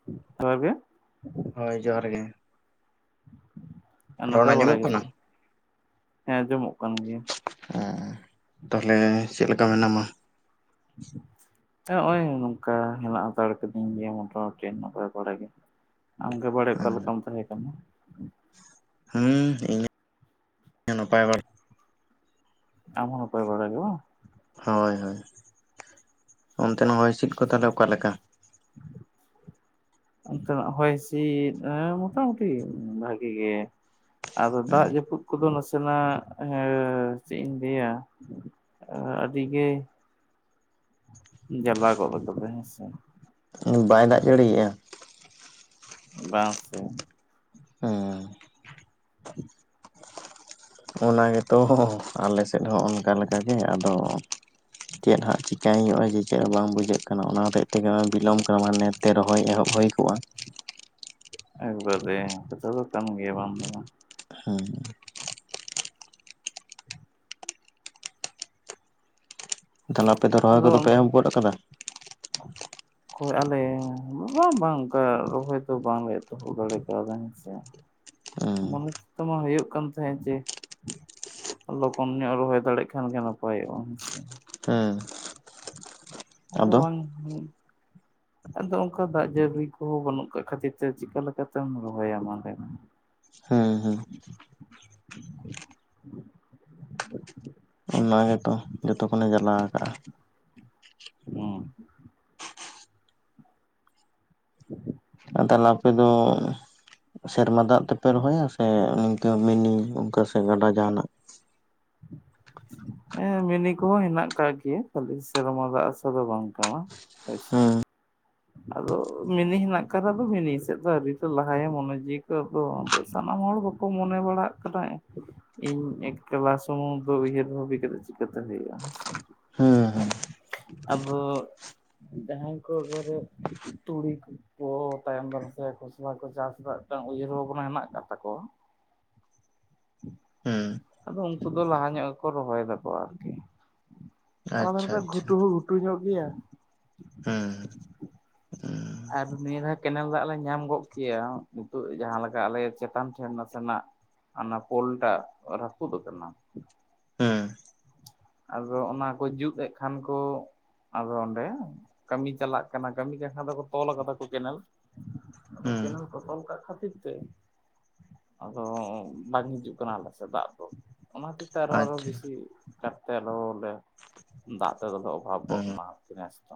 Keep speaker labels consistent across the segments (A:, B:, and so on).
A: [inaudible]
B: ᱦᱳᱭ ᱡᱚᱦᱟᱨ ᱜᱮ᱾
A: ᱟᱸ
B: ᱨᱚᱲ
A: ᱱᱟᱯᱟᱭ ᱵᱟᱲᱟ
B: ᱟᱸᱡᱚᱢᱚᱜ
A: ᱜᱮᱥ
B: ᱠᱟᱱᱟ?
A: ᱛᱚ, ᱦᱮᱸ ᱟᱸᱡᱚᱢᱚᱜ ᱠᱟᱱ ᱜᱮᱭᱟ᱾
B: ᱛᱟᱦᱚᱞᱮ ᱪᱮᱫ ᱞᱮᱠᱟ ᱢᱮᱱᱟᱢᱟ?
A: [inaudible] ᱱᱚᱜ ᱚᱚᱭ ᱱᱚᱝᱠᱟ ᱦᱮᱱᱟᱜ ᱦᱟᱛᱟᱲ ᱠᱟᱹᱫᱤᱧ ᱜᱮᱭᱟ ᱢᱚᱴᱟ ᱢᱩᱴᱤ ᱱᱟᱯᱟᱭ ᱵᱟᱲᱟ ᱜᱮ᱾ ᱟᱢᱜᱮ ᱵᱟᱲᱮ ᱚᱠᱟ ᱞᱮᱠᱟᱢ ᱛᱟᱦᱮᱸ ᱠᱟᱱᱟ?
B: ᱦᱩᱸ ᱤᱧ ᱱᱟᱯᱟᱭ ᱵᱟᱲᱟ
A: ᱟᱢᱦᱚ ᱱᱟᱯᱟᱭ ᱵᱟᱲᱟ ᱜᱮ ᱵᱟᱸᱝ?
B: ᱦᱳᱭ ᱦᱳᱭ ᱚᱱᱛᱮᱱ ᱦᱚᱭ ᱦᱤᱥᱤᱫ ᱠᱚ ᱛᱟᱦᱚᱞᱮ ᱚᱠᱟᱞᱮᱠᱟ?
A: ᱚᱱᱛᱮ ᱱᱟᱜ ᱦᱚᱭ ᱦᱥᱤᱫ ᱢᱚᱴᱟ ᱢᱩᱴᱤ ᱵᱷᱟᱜᱤ ᱜᱮ᱾ ᱟᱫᱚ ᱫᱟᱜ ᱡᱟᱹᱯᱩᱫ ᱠᱚᱫᱚ ᱱᱟᱥᱮᱱᱟᱜ ᱦᱮᱸ ᱪᱮᱫ ᱤᱧ ᱞᱟᱹᱭᱟ ᱟᱹᱰᱤᱜᱮ ᱡᱟᱞᱟ ᱜᱚᱫ ᱟᱠᱟᱫᱟ ᱦᱮᱸ ᱥᱮ,
B: ᱵᱟᱭ ᱫᱟᱜ ᱡᱟᱹᱲᱤᱭᱮᱜᱼᱟ?
A: ᱵᱟᱝ ᱥᱮ᱾
B: ᱦᱮᱸ ᱚᱱᱟ ᱜᱮᱛᱚ ᱦᱚᱸ ᱟᱞᱮ ᱥᱮᱫ ᱦᱚᱸ ᱚᱱᱠᱟ ᱞᱮᱠᱟᱜᱮ ᱟᱫᱚ ᱪᱮᱫ ᱦᱟᱸᱜ ᱪᱮᱠᱟᱹᱭ ᱦᱩᱭᱩᱜᱼᱟ ᱡᱮ ᱪᱮᱫ ᱦᱚᱸ ᱵᱟᱝ ᱵᱩᱡᱷᱟᱹᱜ ᱠᱟᱱᱟ ᱚᱱᱟ ᱦᱚᱛᱮᱜ ᱛᱮᱜᱮ ᱵᱤᱞᱚᱢ ᱠᱟᱱᱟ ᱞᱮ ᱛᱮ ᱨᱚᱦᱚᱭ ᱮᱦᱚᱵ ᱦᱩᱭ ᱠᱚᱜᱼᱟ
A: ᱟᱹᱜᱩ ᱠᱟᱫᱮ ᱠᱟᱛᱷᱟ ᱫᱚ ᱠᱟᱱ ᱜᱮᱭᱟ ᱵᱟᱝ ᱫᱚ ᱵᱟᱝ
B: ᱦᱩᱸᱻ ᱛᱟᱦᱚᱞᱮ ᱟᱯᱮ ᱫᱚ ᱨᱚᱦᱚᱭ
A: ᱟᱫᱚ
B: ᱠᱚᱫᱚ ᱯᱮ ᱮᱦᱚᱵ ᱜᱚᱫ ᱟᱠᱟᱫᱟ?.
A: [unintelligible] ᱚᱠᱚᱭ ᱟᱞᱮ ᱵᱟᱸ ᱵᱟᱝ ᱚᱱᱠᱟ ᱨᱚᱦᱚᱭ ᱠᱚ ᱵᱟᱝᱞᱮ ᱮᱛᱚᱦᱚᱵ ᱫᱟᱲᱮ ᱠᱟᱣᱫᱟ ᱦᱮᱸᱥᱮ
B: ᱦᱩᱸ
A: ᱢᱚᱱᱮ ᱛᱮᱫᱚ ᱢᱟ ᱦᱩᱭᱩᱜ ᱠᱟᱱ ᱛᱟᱦᱮᱸᱫ ᱡᱮ ᱞᱚᱜᱚᱱ ᱧᱚᱜ ᱨᱚᱦᱚᱭ ᱫᱟᱲᱮᱜ ᱠᱷᱟᱱ ᱜᱮ ᱱᱟᱯᱟᱭᱚᱜᱼᱟ ᱦᱮᱸᱥᱮ᱾
B: ᱦᱮᱸ
A: ᱟᱫᱚ ᱵᱟᱝ ᱦᱩᱸ ᱟᱫᱚ ᱚᱱᱠᱟ ᱫᱟᱜ ᱡᱟᱹᱲᱤ ᱠᱚᱦᱚᱸ ᱵᱟᱹᱱᱩᱜ ᱠᱟᱜ ᱠᱷᱟᱹᱛᱤᱨ ᱛᱮ ᱪᱤᱠᱟ ᱞᱮᱠᱟ ᱛᱮᱢ ᱨᱚᱦᱚᱭᱟ ᱢᱟ ᱞᱟᱹᱭᱢᱮ,
B: ᱦᱮᱸ ᱦᱮᱸ ᱚᱱᱟ ᱜᱮᱛᱚ ᱡᱚᱛᱚᱠᱷᱚᱱᱮ ᱡᱟᱞᱟ ᱟᱠᱟᱼᱟ᱾
A: [unintelligible] [unintelligible]
B: ᱛᱟᱦᱚᱞᱮ ᱟᱯᱮᱫᱚᱻ ᱥᱮᱨᱢᱟ ᱫᱟᱜ ᱛᱮᱯᱮ ᱨᱚᱦᱚᱭᱟ ᱥᱮ ᱱᱤᱝᱠᱟᱹ ᱢᱤᱱᱤ ᱚᱱᱠᱟ ᱥᱮ ᱜᱟᱰᱟ ᱡᱟᱦᱟᱸ ᱱᱟᱜ
A: ᱦᱮᱸ ᱢᱤᱱᱤ ᱠᱚᱦᱚᱸ ᱦᱮᱱᱟᱜ ᱠᱟᱜ ᱜᱤᱭᱟ ᱠᱷᱟᱞᱤ ᱥᱮᱨᱢᱟ ᱫᱟᱜ ᱟᱥᱟ ᱫᱚ ᱵᱟᱝ ᱠᱟᱱᱟ᱾ ᱟᱪᱪᱷᱟ
B: ᱦᱩᱸ
A: ᱟᱫᱚᱻ ᱢᱤᱱᱤ ᱦᱮᱱᱟᱜ ᱟᱠᱟᱫᱟ ᱢᱤᱱᱤ ᱥᱮᱫ ᱫᱚ ᱟᱣᱨᱤ ᱠᱚ ᱞᱟᱦᱟᱭᱟ ᱢᱚᱱᱮ ᱡᱤᱣᱤ ᱠᱚ ᱟᱫᱚ ᱥᱟᱱᱟᱢ ᱦᱚᱲ ᱠᱚ ᱠᱚ ᱢᱚᱱᱮ ᱵᱟᱲᱟᱜ ᱠᱟᱱᱟ ᱤᱧ ᱮᱠᱞᱟ ᱥᱩᱢᱩᱝ ᱫᱚ ᱩᱭᱦᱟᱹᱨ ᱵᱷᱟᱵᱤ ᱪᱮᱫ ᱪᱤᱠᱟᱹᱛᱮ ᱦᱩᱭᱩᱜᱼᱟ᱾
B: ᱦᱩᱸ ᱦᱩᱸ
A: [unintelligible] ᱟᱵᱚ ᱡᱟᱦᱟᱸᱭ ᱠᱚ ᱜᱷᱚᱨᱮ ᱛᱩᱲᱤ ᱯᱚᱲᱚ ᱛᱟᱭᱚᱢ ᱫᱟᱨᱟᱢ ᱥᱮ ᱠᱷᱚᱥᱞᱟ ᱠᱚ ᱪᱟᱥ ᱫᱟ ᱢᱤᱫᱴᱟᱝ ᱩᱭᱦᱟᱹ ᱵᱷᱟᱵᱽᱱᱟ ᱦᱮᱱᱟᱜ ᱟᱠᱟᱫ ᱛᱟᱠᱚᱣᱟ᱾
B: ᱦᱩᱸ
A: ᱟᱫᱚ ᱩᱱᱠᱩ ᱫᱚ ᱞᱟᱦᱟ ᱧᱚᱜ ᱜᱮ ᱠᱚ ᱨᱚᱦᱚᱭ ᱫᱟ [unintelligible] ᱟᱨ ᱠᱤ ᱚᱱᱟ ᱫᱷᱟᱨᱮ
B: ᱟᱪᱪᱷᱟ
A: ᱫᱚ
B: ᱟᱪᱪᱷᱟ
A: ᱜᱷᱩᱴᱩ ᱦᱚᱸ ᱜᱷᱩᱴᱩ ᱧᱚᱜ ᱜᱮᱭᱟ᱾
B: ᱦᱩᱹᱻ
A: ᱟᱨᱦᱩᱸ ᱱᱤᱭᱟᱹ ᱫᱷᱟ ᱠᱮᱱᱮᱞ ᱫᱟᱜ ᱞᱮ ᱧᱟᱢ ᱜᱚᱫ ᱠᱮᱭᱟ ᱱᱤᱛᱳ ᱡᱟᱦᱟᱸ ᱞᱮᱠᱟ ᱟᱞᱮ ᱪᱮᱛᱟᱱ ᱴᱷᱮᱱ ᱱᱟᱥᱮ ᱱᱟᱜ ᱦᱟᱱᱟ ᱯᱳᱞ ᱴᱟᱜ ᱨᱟᱯᱩᱫ ᱟᱠᱟᱱᱟ᱾ ᱟᱫᱚ ᱚᱱᱟᱠᱚ ᱡᱩᱛ ᱮᱫ ᱠᱷᱟᱱ ᱠᱚ ᱟᱫᱚ ᱚᱸᱰᱮ ᱠᱟᱹᱢᱤ ᱪᱟᱞᱟᱜ ᱠᱟᱱᱟ ᱠᱟᱹᱢᱤ ᱠᱟᱠᱷᱟᱱ ᱫᱚᱠᱚ ᱛᱚᱞ ᱠᱟᱫᱟ ᱠᱚ ᱠᱮᱱᱟᱞ ᱟᱫᱚ
B: ᱦᱩᱸ
A: ᱠᱮᱱᱮᱞ ᱠᱚ ᱛᱚᱞ ᱠᱟᱜ ᱠᱷᱟᱛᱤᱨ ᱛᱮ ᱟᱫᱚ ᱵᱟᱝ ᱦᱤᱡᱩᱜ ᱠᱟᱱᱟ ᱟᱞᱮ ᱥᱮ ᱫᱟᱜ ᱫᱚ ᱚᱱᱟ ᱠᱷᱟᱛᱤᱨ ᱛᱮ ᱟᱨᱚ ᱟᱨᱦᱚ
B: ᱟᱪᱪᱷᱟ
A: ᱵᱮᱥᱤ ᱛᱮ ᱟᱞᱚ ᱞᱮ ᱫᱟᱜ ᱛᱮᱫᱚ ᱞᱮ ᱚᱵᱷᱟᱵ ᱜᱚᱫ
B: ᱦᱩᱸ
A: ᱢᱟ ᱱᱮᱥ ᱫᱚ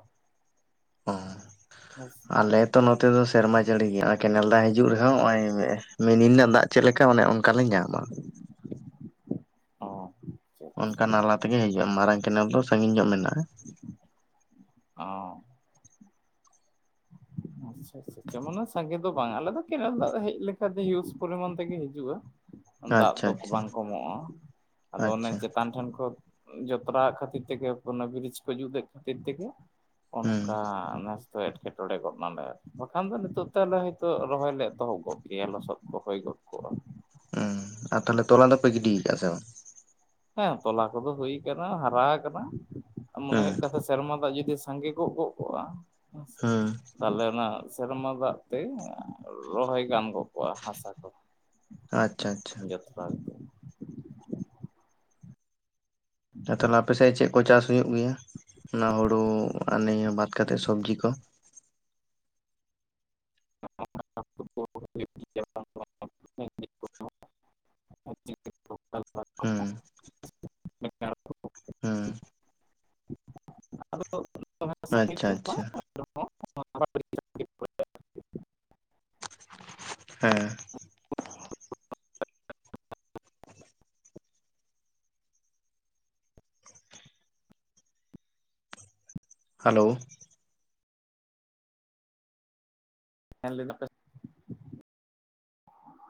A: ᱦᱮᱸ ᱥᱮ
B: ᱟᱞᱮᱛᱚ ᱱᱚᱛᱮ ᱫᱚ ᱥᱮᱨᱢᱟ ᱡᱟᱹᱲᱤ ᱜᱮ ᱠᱮᱱᱮᱞ ᱫᱟᱜ ᱦᱤᱡᱩᱜ ᱨᱮᱦᱚᱸ ᱱᱚᱜ ᱚᱭ ᱢᱮ ᱢᱤᱱᱤ ᱨᱮᱱᱟᱜ ᱫᱟᱜ ᱪᱮᱫ ᱞᱮᱠᱟ ᱚᱱᱮ ᱚᱱᱠᱟ ᱞᱮ ᱧᱟᱢᱟ᱾
A: ᱚ ᱟᱪᱪᱷᱟ ᱟᱪᱪᱷᱟ
B: ᱚᱱᱠᱟ ᱱᱟᱞᱟ ᱛᱮᱜᱮ ᱦᱤᱡᱩᱜᱼᱟ ᱢᱟᱨᱟᱝ ᱠᱮᱱᱮᱞ ᱫᱚ ᱥᱟᱺᱜᱤᱧ ᱧᱚᱜ ᱢᱮᱱᱟᱜᱼᱟ᱾
A: ᱚᱻ ᱟᱪᱪᱷᱟ ᱟᱪᱪᱷᱟ ᱢᱟᱱᱮ ᱥᱟᱸᱜᱮ ᱫᱚ ᱵᱟᱝ ᱟᱞᱮ ᱫᱚ ᱠᱮᱱᱮᱞ ᱫᱟᱜ ᱦᱮᱡ ᱦᱤᱭᱩᱥ ᱯᱚᱨᱤᱟᱱ ᱛᱮᱜᱮ ᱦᱤᱡᱩᱜᱼᱟ᱾ ᱫᱟᱜ
B: ᱟᱪᱪᱷᱟ
A: ᱫᱚ
B: ᱟᱪᱪᱷᱟ
A: ᱵᱟᱝ ᱠᱚᱢᱚᱜᱼᱟ ᱟᱫᱚ ᱚᱱᱮ
B: ᱟᱪᱪᱷᱟ
A: ᱪᱮᱛᱟᱱ ᱴᱷᱮᱱ ᱠᱷᱚᱱ ᱡᱚᱛᱨᱟ ᱠᱷᱟᱹᱛᱤᱨ ᱛᱮᱜᱮ ᱠᱚᱱ ᱵᱨᱤᱡᱽ ᱠᱚ ᱡᱩᱛ ᱮᱫ ᱠᱷᱟᱹᱛᱤᱨ ᱛᱮᱜᱮ
B: ᱦᱩᱸ
A: ᱚᱱᱠᱟ ᱛᱚ ᱮᱠᱮᱴᱚᱬᱮ ᱜᱚᱫ ᱚᱱᱟᱞᱮ ᱵᱟᱠᱷᱟᱱ ᱫᱚ ᱱᱤᱛᱚᱜ ᱛᱮ ᱟᱞᱮ ᱦᱭᱛᱳ ᱨᱚᱦᱚᱭ ᱞᱮ ᱮᱛᱚᱦᱚᱵ ᱜᱚᱫ ᱠᱮᱭᱟ ᱞᱚᱥᱚᱫ ᱠᱚ ᱦᱩᱭ ᱜᱚᱫ ᱠᱚᱜᱼᱟ᱾
B: ᱦᱩᱹᱻ ᱟᱨ ᱛᱟᱦᱚᱞᱮ ᱛᱚᱞᱟ ᱫᱚᱯᱮ ᱜᱤᱰᱤ ᱠᱟᱫᱟ ᱥᱮ ᱵᱟᱝ?.
A: ᱦᱮᱸ ᱛᱚᱞᱟ ᱠᱚᱫᱚ ᱦᱩᱭ ᱠᱟᱱᱟ ᱦᱟᱨᱟ ᱠᱟᱱᱟ ᱢᱚᱱᱮ
B: ᱦᱩᱸ
A: ᱦᱩᱭᱩᱜ ᱠᱟ ᱥᱮᱨᱢᱟ ᱫᱟᱜ ᱡᱩᱫᱤ ᱥᱟᱸᱜᱮ ᱠᱚᱜ ᱜᱚᱜ ᱠᱚᱜᱼᱟ ᱦᱮᱸ ᱥᱮ
B: ᱦᱩᱸ
A: ᱛᱟᱦᱚᱞᱮ ᱚᱱᱟ ᱥᱮᱨᱢᱟ ᱫᱟᱜ ᱛᱮ ᱨᱚᱦᱚᱭ ᱜᱟᱱ ᱜᱚᱫ ᱠᱳᱟ ᱦᱟᱥᱟ ᱠᱚ
B: ᱟᱪᱪᱷᱟ ᱟᱪᱪᱷᱟ
A: ᱡᱟᱛᱨᱟ
B: ᱛᱟᱦᱚᱞᱮ ᱟᱯᱮᱥᱮᱫ ᱪᱮᱫ ᱠᱚ ᱪᱟᱥ ᱦᱩᱭᱩᱜ ᱜᱮᱭᱟ ᱚᱱᱟ ᱦᱩᱲᱩ ᱟᱨ ᱱᱤᱭᱟᱹ ᱵᱟᱫ ᱠᱟᱛᱮᱫ ᱥᱚᱵᱡᱤ ᱠᱚ
A: [unintelligible] [unintelligible]
B: ᱦᱩᱸ
A: ᱟᱨ
B: ᱦᱩᱸ
A: [inaudible] ᱟᱫᱚ ᱥᱟᱺᱜᱤᱧ
B: ᱟᱪᱪᱷᱟ
A: ᱫᱚ ᱵᱟᱝ
B: ᱟᱪᱪᱷᱟ
A: [inaudible]
B: ᱦᱮᱸ ᱦᱟᱞᱳᱣ
A: [unintelligible]